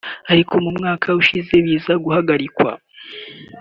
ariko mu mwaka ushize biza guhagarikwa